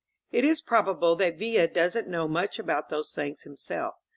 It is probable that Villa doesn't know much about those things himself.